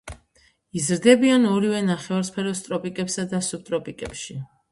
იზრდებიან ორივე ნახევარსფეროს ტროპიკებსა და სუბტროპიკებში.